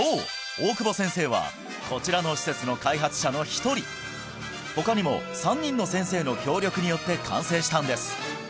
大久保先生はこちらの施設の開発者の一人他にも３人の先生の協力によって完成したんです